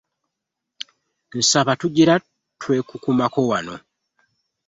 Nsaba tugira twekukumako wano.